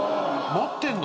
持ってんの。